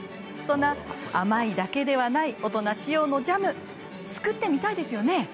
そんな甘いだけではない大人仕様のジャム作ってみたいですよね。